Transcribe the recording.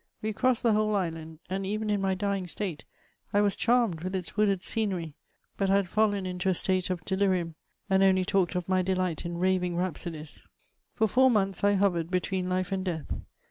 We crossed the whole island ; and even in my dying state, I was diarmed with its wooded scenery ; but I had mllen into a state of ddirinm, and only talked of my delight in ranng rhapsodies. For four months I faoyered between life and death.